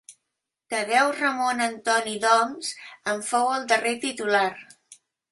Tadeu Ramon Antoni d'Oms en fou el darrer titular.